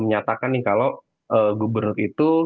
menyatakan nih kalau gubernur itu